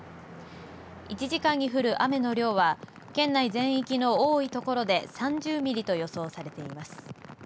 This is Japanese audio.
１時間に降る雨の量は県内全域の多いところで３０ミリと予想されています。